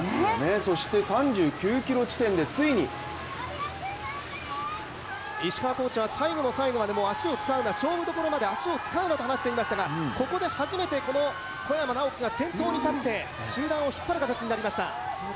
そして３９ｋｍ地点でついに石川コーチは最後の最後まで足を使うな、勝負どころまで足を使うなと話していましたがここで初めて小山直城が先頭に立って集団を引っ張る形になりました。